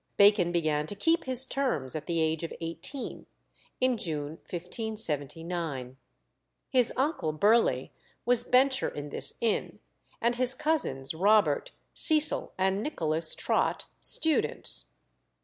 Bacon began to keep his terms at the age of eighteen, in June 1579. His uncle Burleigh was bencher in this inn, and his cousins, Robert, Cecil, and Nicholas Trott, students.